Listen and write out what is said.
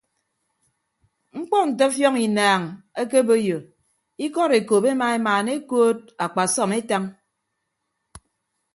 Mkpọ nte ọfiọñ inaañ ekeboiyo ikọd ekop ema emaana ekood akpasọm etañ.